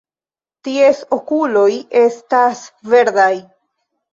Ties okuloj estas verdaj.